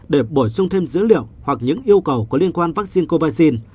để bổ sung thêm dữ liệu hoặc những yêu cầu có liên quan vaccine coragin